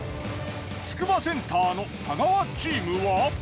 つくばセンターの太川チームは。